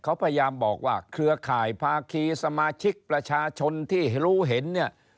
เขาพยายามบอกว่าเครือข่ายภาคีสมาชิกประชาชนที่รู้เห็นเนี่ย